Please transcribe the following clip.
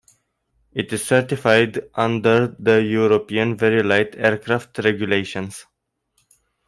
It is certified under the European Very Light Aircraft regulations.